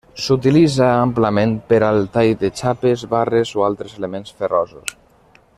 S'utilitza amplament per al tall de xapes, barres o altres elements ferrosos.